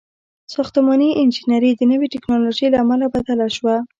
• ساختماني انجینري د نوې ټیکنالوژۍ له امله بدله شوه.